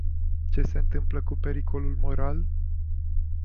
Ce se întâmplă cu pericolul moral?